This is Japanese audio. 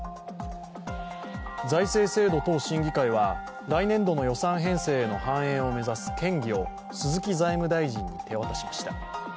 財政制度等審議会は来年度の予算編成への反映を目指す建議を鈴木財務大臣に手渡しました。